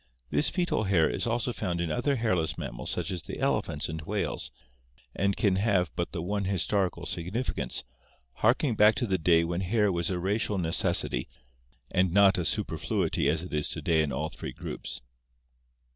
This fcetat hair is also found in other hairless mammals such as the elephants and whales, and can have but the one histori cal significance, harking back to the day when hair was a racial necessity and not a superfluity as it is to day in all three groups.